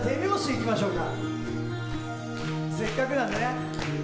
いきましょうか。